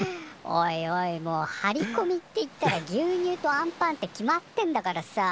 おいおいもう張りこみっていったら牛乳とあんパンって決まってんだからさ